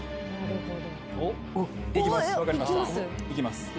行きます。